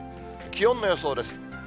気温の予想です。